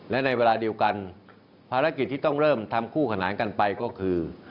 และในเวลาเดียวกันภารกิจที่ต้องเริ่มทำคู่ขนานกันไปก็คือ